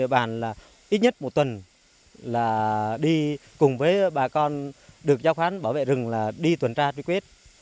bàn là ít nhất một tuần là đi cùng với bà con được giao khoán bảo vệ rừng là đi tuần tra truy quét